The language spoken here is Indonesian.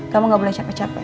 kamu gak boleh capek capek